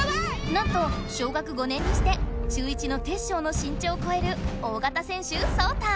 なんと小学５年にして中１のテッショウのしん長をこえる大がたせん手ソウタ！